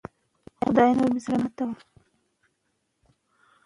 زموږ خپلواکي د خپلې ژبې له لارې نوي کېږي.